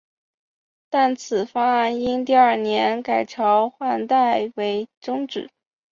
但此方案因为第二年改朝换代而中止。